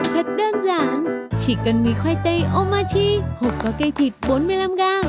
thật đơn giản chỉ cần mì khoai tây omachi hộp có cây thịt bốn mươi năm ga